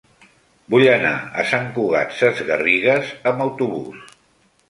Vull anar a Sant Cugat Sesgarrigues amb autobús.